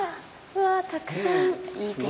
うわたくさん！